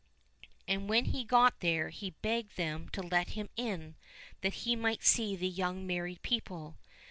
And when he got there he begged them to let him in that he might see the young married people.